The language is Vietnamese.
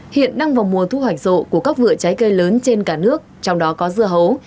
hiện đang vào mùa thu hoạch rộ của các vựa trái cây lớn trên cả nước trong đó có dưa hấu